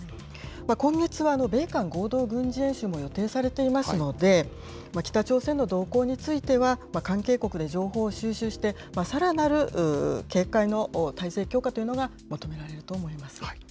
今月は米韓合同軍事演習も予定されていますので、北朝鮮の動向については、関係国で情報を収集して、さらなる警戒の態勢強化というのが求められると思います。